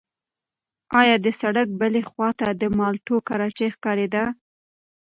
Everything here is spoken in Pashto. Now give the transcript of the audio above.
ایا د سړک بلې خوا ته د مالټو کراچۍ ښکارېده؟